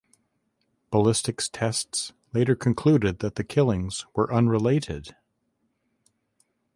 Ballistics tests later concluded that the killings were unrelated.